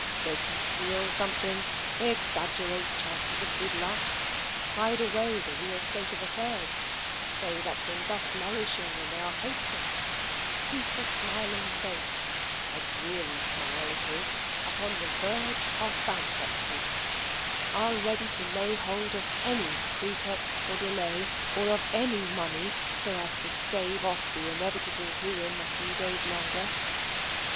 They conceal something; they exaggerate chances of good luck; hide away the real state of affairs; say that things are flourishing when they are hopeless, keep a smiling face (a dreary smile it is) upon the verge of bankruptcy are ready to lay hold of any pretext for delay or of any money, so as to stave off the inevitable ruin a few days longer.